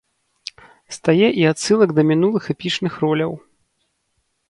Стае і адсылак да мінулых эпічных роляў.